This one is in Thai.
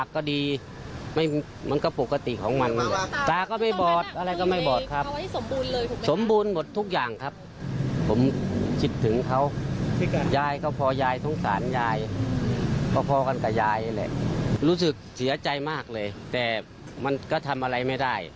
ก็พอกันกับยายแหละรู้สึกเสียใจมากเลยแต่มันก็ทำอะไรไม่ได้